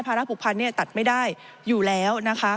ภาระผูกพันธุ์ตัดไม่ได้อยู่แล้ว